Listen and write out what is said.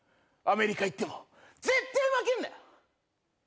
アメリカ行っても絶対負けんなよ！